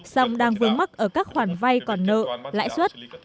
xong đang vướng mắc ở các khoản vay còn nợ lãi suất